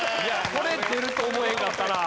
これ出ると思えへんかったな。